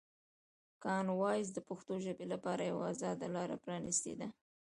کامن وایس د پښتو ژبې لپاره یوه ازاده لاره پرانیستې ده.